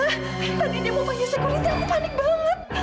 tadi dia mau panggil sekuriti aku panik banget